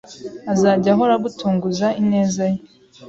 azajya ahora agutunguza ineza ye,